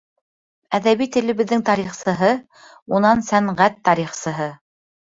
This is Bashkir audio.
Әҙәби телебеҙҙең тарихсыһы, унан сәнғәт тарихсыһы.